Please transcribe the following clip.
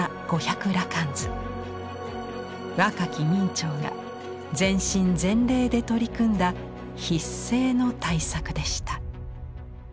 若き明兆が全身全霊で取り組んだ畢生の大作でした。